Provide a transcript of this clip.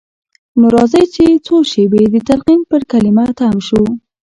نو راځئ چې څو شېبې د تلقين پر کلمه تم شو.